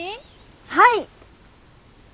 はい。